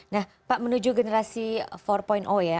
nah pak menuju generasi empat ya